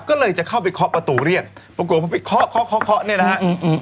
ก็เลยจะเข้าไปเคาะประตูเรียกปรากฏว่าไปเคาะเคาะเคาะเคาะเนี่ยนะฮะอืม